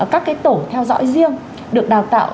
các cái tổ theo dõi riêng được đào tạo